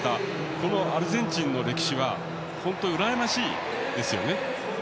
このアルゼンチンの歴史は本当にうらやましいですよね。